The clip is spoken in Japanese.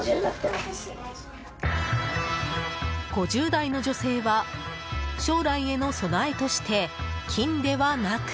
５０代の女性は将来への備えとして金ではなく。